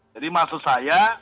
jadi maksud saya